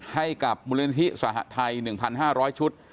ให้กับบริเวณธิสหภัย๑๕๐๐ชุด